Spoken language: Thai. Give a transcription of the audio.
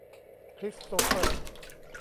คริสโตเฟอร์